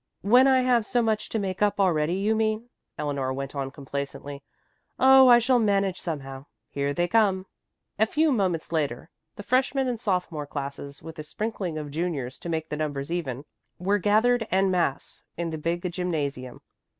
"When I have so much to make up already, you mean," Eleanor went on complacently. "Oh, I shall manage somehow. Here they come." A few moments later the freshman and sophomore classes, with a sprinkling of juniors to make the numbers even, were gathered en masse in the big gymnasium.